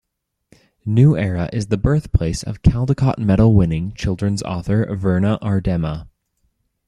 New Era is the birthplace of Caldecott Medal-winning children's author Verna Aardema.